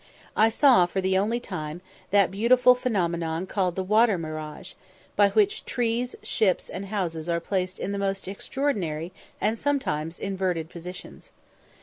I saw, for the only time, that beautiful phenomenon called the "water mirage," by which trees, ships, and houses are placed in the most extraordinary and sometimes inverted positions.